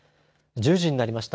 １０時になりました。